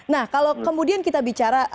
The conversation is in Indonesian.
nah kalau kemudian kita bicara